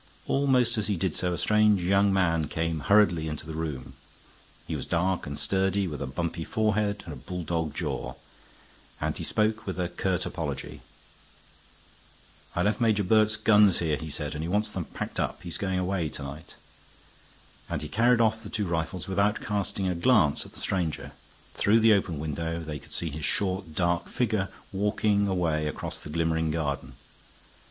Almost as he did so a strange young man came hurriedly into the room. He was dark and sturdy, with a bumpy forehead and a bulldog jaw, and he spoke with a curt apology. "I left Major Burke's guns here," he said, "and he wants them packed up. He's going away to night." And he carried off the two rifles without casting a glance at the stranger; through the open window they could see his short, dark figure walking away across the glimmering garden.